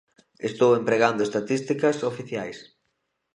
Estou empregando estatísticas oficiais.